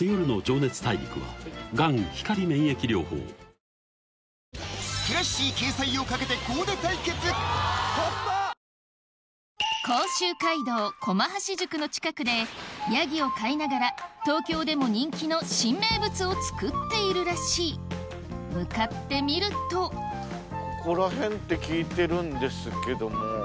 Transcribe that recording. そこには甲州街道駒橋宿の近くでヤギを飼いながら東京でも人気の新名物を作っているらしい向かってみるとここら辺って聞いてるんですけども。